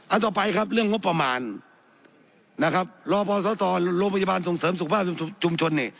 ต่อไปครับเรื่องงบประมาณนะครับรอพอสตโรงพยาบาลส่งเสริมสุขภาพชุมชนนี่